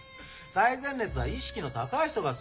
最前列は意識の高い人が座る席。